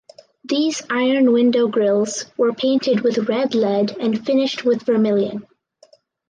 These iron window grills were painted with red lead and finished with vermilion.